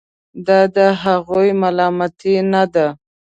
دا د هغوی ملامتي نه ده.